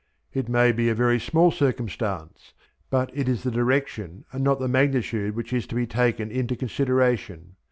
It may be a very small circumstance, but it is the direction and not the magnitude which is to be taken into consideration.